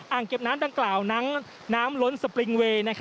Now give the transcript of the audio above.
เก็บน้ำดังกล่าวนั้นน้ำล้นสปริงเวย์